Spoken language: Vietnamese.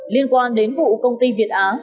liên quan đến vụ công ty việt á